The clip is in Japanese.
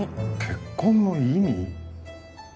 「結婚の意味」？